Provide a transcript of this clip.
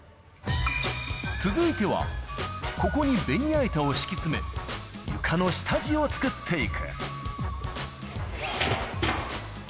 続いては、ここにベニヤ板を敷き詰め、床の下地を作っていく。